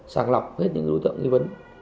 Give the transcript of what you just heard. sàng lọc hết những lũ tượng nghi vấn